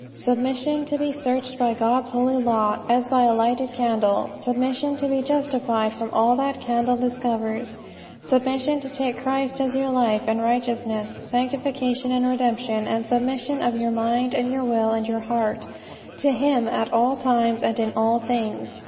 Submission to be searched by God's holy law as by a lighted candle: submission to be justified from all that that candle discovers: submission to take Christ as your life and righteousness, sanctification and redemption: and submission of your mind and your will and your heart to Him at all times and in all things.